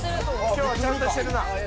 「今日はちゃんとしてるな」